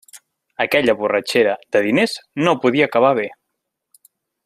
Aquella borratxera de diners no podia acabar bé.